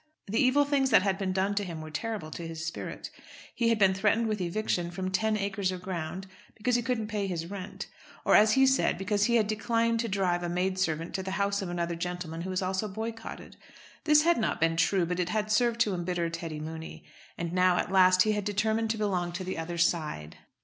The evil things that had been done to him were terrible to his spirit. He had been threatened with eviction from ten acres of ground because he couldn't pay his rent; or, as he said, because he had declined to drive a maid servant to the house of another gentleman who was also boycotted. This had not been true, but it had served to embitter Teddy Mooney. And now, at last, he had determined to belong to the other side.